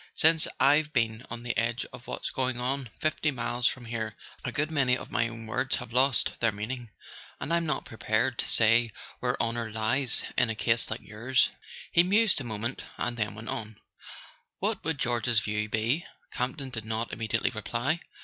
Since I've been on the edge of what's going on fifty miles from here a good many of my own words have lost their [ 187 ] A SON AT THE FRONT meaning, and I'm not prepared to say where honour lies in a case like yours." He mused a moment, and then went on: "What w r ould George's view be?" Campton did not immediately reply.